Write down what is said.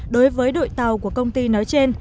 đối với đội tàu của công ty nói trên